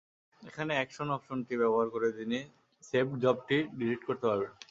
এখানে অ্যাকশন অপশনটি ব্যবহার করে তিনি সেভড জবটি ডিলিট করতে পারবেন।